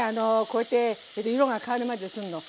こうやって色が変わるまでするの。